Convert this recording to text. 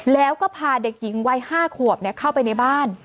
แล้วก็พาเด็กหญิงวัย๕ขวบเข้าไปในบ้าน